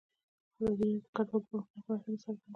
ازادي راډیو د کډوال د پرمختګ په اړه هیله څرګنده کړې.